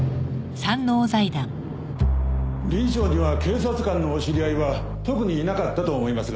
理事長には警察官のお知り合いは特にいなかったと思いますが。